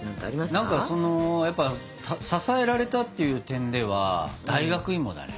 何かその支えられたっていう点では大学芋だね。